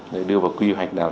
để đưa vào quy hoạch nào